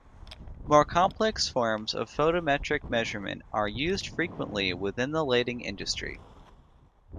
More complex forms of photometric measurement are used frequently within the lighting industry.